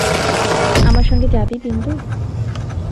আমার সঙ্গে যাবি বিন্দু?